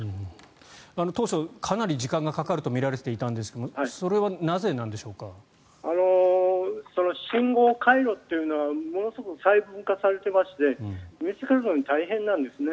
当初かなり時間がかかるとみられていたんですが信号回路というのはものすごく細分化されていますので見つけるのが大変なんですね。